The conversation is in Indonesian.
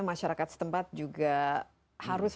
masyarakat setempat juga harus